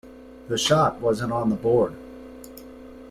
The shot wasn't on the board.